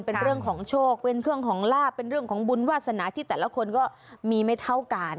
เป็นเรื่องของโชคเป็นเรื่องของลาบเป็นเรื่องของบุญวาสนาที่แต่ละคนก็มีไม่เท่ากัน